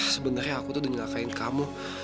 sebenernya aku tuh udah nyelamatin kamu